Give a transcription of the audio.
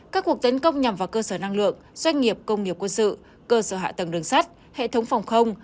các cuộc tấn công nhằm vào cơ sở năng lượng doanh nghiệp công nghiệp quân sự cơ sở hạ tầng đường sắt hệ thống phòng không